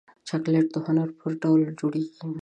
چاکلېټ د هنر په ډول جوړېږي.